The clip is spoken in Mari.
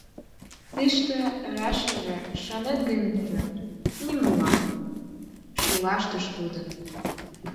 — Тыште ӧрашыже, шонет гынже, нимолан, — шӱлалтыш тудо.